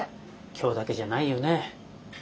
今日だけじゃないよね。